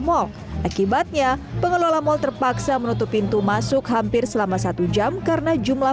mall akibatnya pengelola mal terpaksa menutup pintu masuk hampir selama satu jam karena jumlah